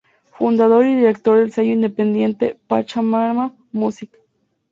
Fundador y director del sello independiente Pachamama Music.